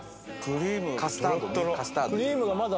カスタードねカスタード。